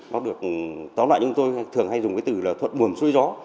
nó được tóm lại như tôi thường hay dùng cái từ thuận buồn xuôi gió